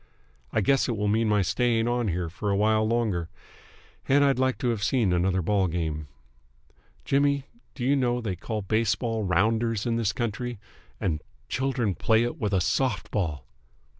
I guess it will mean my staying on here for a while longer, and I'd liked to have seen another ball game. Jimmy, do you know they call baseball Rounders in this country, and children play it with a soft ball!"